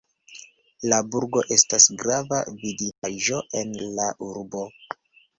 La burgo estas grava vidindaĵo en la urbo.